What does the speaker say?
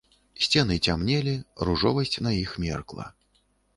Сцены цямнелі, ружовасць на іх меркла.